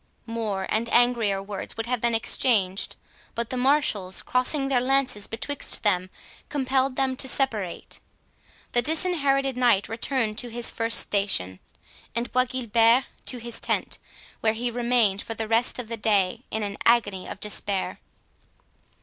More and angrier words would have been exchanged, but the marshals, crossing their lances betwixt them, compelled them to separate. The Disinherited Knight returned to his first station, and Bois Guilbert to his tent, where he remained for the rest of the day in an agony of despair.